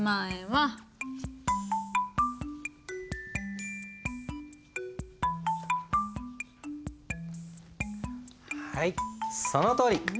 はいそのとおり。